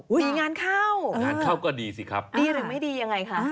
มีงานเข้างานเข้าก็ดีสิครับดีหรือไม่ดียังไงคะ